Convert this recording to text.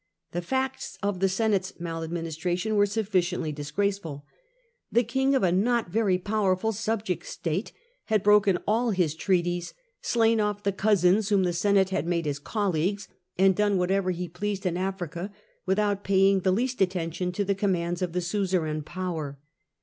The facts of the Senate's maladministration were suflSciently disgraceful. The king of a not very powerful subject state had broken all his treaties, slain off the cousins whom the Senate had made his colleagues, and done whatever he pleased in Africa, without paying the least attention to the commands of the suzerain power.